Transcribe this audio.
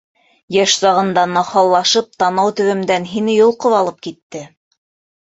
Йәш сағында нахаллашып танау төбөмдән һине йолҡоп алып китте!